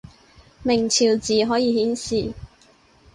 明朝字可以顯示